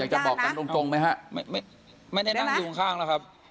อยากจะบอกกันรุ่งตรงไหมฮะไม่ไม่ไม่ได้นั่งอยู่ข้างแล้วครับ